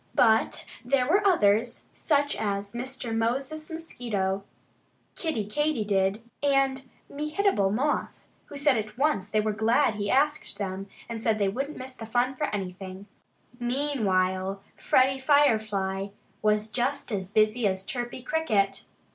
But there were others, such as Mr. Moses Mosquito, Kiddie Katydid, and Mehitable Moth, who said at once that they were glad he asked them and that they wouldn't miss the fun for anything. Meanwhile Freddie Firefly was just as busy as Chirpy Cricket.